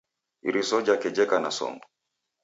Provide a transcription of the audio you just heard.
Iriso jake jeka na songo